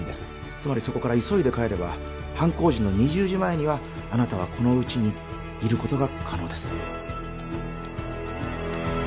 つまりそこから急いで帰れば犯行時の２０時前にはあなたはこのうちにいることが可能です